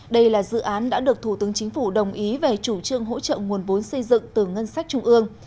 đây là dự án đã được thủ tướng chính phủ đồng ý về chủ trương hỗ trợ nguồn vốn xây dựng từ ngân sách trung ương